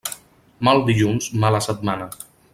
Mal dilluns, mala setmana.